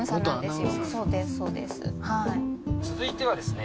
続いてはですね。